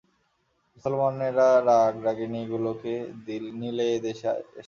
মুসলমানেরা রাগরাগিণীগুলোকে নিলে এদেশে এসে।